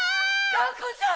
がんこちゃん！